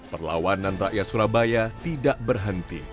perlawanan rakyat surabaya tidak berhenti